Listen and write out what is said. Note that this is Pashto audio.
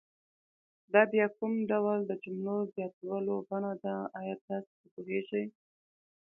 دا بیا کوم ډول د جملو زیاتولو بڼه ده آیا تاسې په پوهیږئ؟